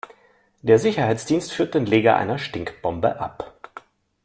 Der Sicherheitsdienst führt den Leger einer Stinkbombe ab.